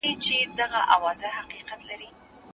دواړه پرېوتل پر مځکه تاوېدله